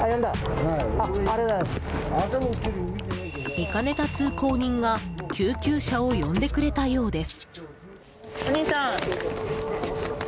見かねた通行人が救急車を呼んでくれたようです。